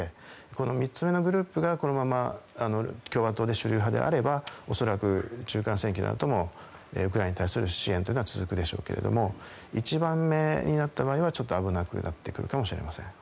この３つ目のグループがこのまま共和党で主流派であれば恐らく、中間選挙のあともウクライナに対する支援は続くでしょうけれども一番目になった場合はちょっと危なくなってくるかもしれません。